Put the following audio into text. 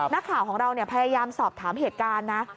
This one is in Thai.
นักข่าวของเราพยายามสอบถามเหตุการณ์นะ